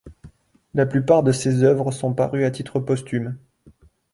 La plupart de ses œuvres sont parues à titre posthume.